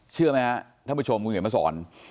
เชื่อไหมครับท่านผู้ชมคุณเขียนมาสอน